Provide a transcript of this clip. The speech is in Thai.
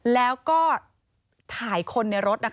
แล้วก็ถ่ายคนในรถ